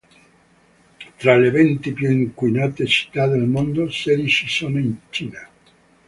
Tra le venti più inquinate città del mondo, sedici sono in Cina.